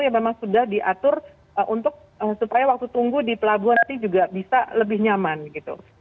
yang memang sudah diatur supaya waktu tunggu di pelabuhan nanti juga bisa lebih nyaman gitu